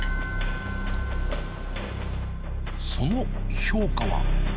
その評価は。